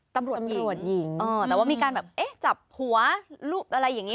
ตำรวจหญิงแต่ว่ามีการแบบจับหัวรูปอะไรอย่างนี้